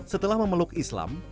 setelah memeluk islam